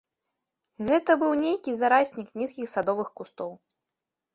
Гэта быў нейкі зараснік нізкіх садовых кустоў.